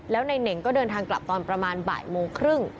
แล้วนายเหน่งก็เดินทางกลับตอนประมาณบ่ายโมงครึ่ง